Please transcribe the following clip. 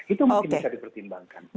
itu mungkin bisa dipertimbangkan